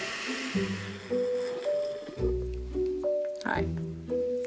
はい。